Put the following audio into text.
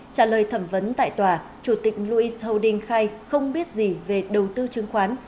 trả lời thẩm vấn tại tòa chủ tịch louis holding khai không biết gì về đầu tư chứng khoán